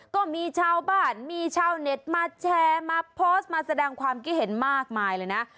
ก็มีชาวบ้านมีชาวเน็ตมาแชร์มาโพสต์มาแสดงความคิดเห็นมากมายเลยนะ